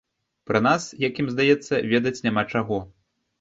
Пра нас, як ім здаецца, ведаць няма чаго.